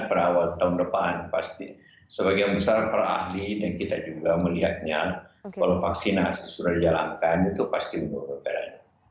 berawal tahun depan pasti sebagai besar para ahli dan kita juga melihatnya kalau vaksinasi sudah dijalankan itu pasti menurun